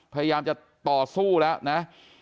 พยายามจะต่อสู้แล้วนะ